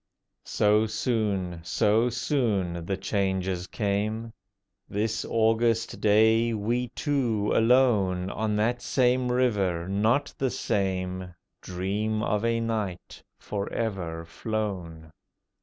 So soon, so soon, the changes came. This August day we two alone, On that same river, not the same, Dream of a night for ever flown.